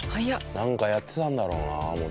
なんかやってたんだろうな元々。